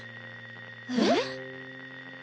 えっ？